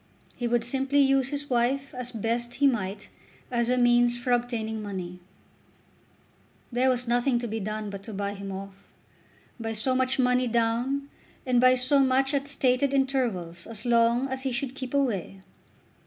He would simply use his wife as best he might as a means for obtaining money. There was nothing to be done but to buy him off, by so much money down, and by so much at stated intervals as long as he should keep away.